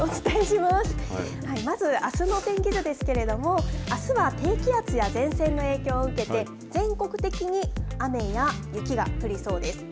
まずあすの天気図ですけれども、あすは低気圧や前線の影響を受けて、全国的に雨や雪が降りそうです。